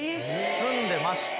「住んでました」。